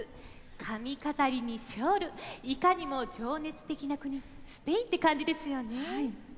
髪飾りにショールいかにも情熱的な国スペインって感じですよね。